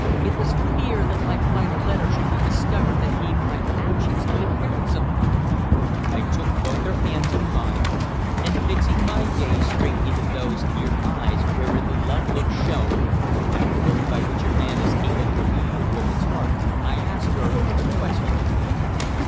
It was fear that my final letter should be discovered that gave my actions the appearance of guilt." I took both her hands in mine, and fixing my gaze straight into those dear eyes wherein the love look shone that look by which a man is able to read a woman's heart I asked her a question.